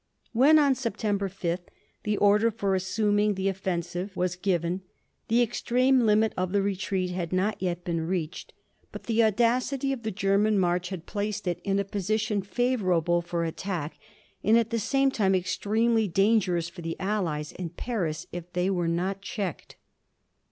When, on September fifth, the order for assuming the offensive was given, the extreme limit of the retreat had not yet been reached. But the audacity of the German march had placed it in a position favourable for attack, and at the same time extremely dangerous for the Allies and Paris if they were not checked.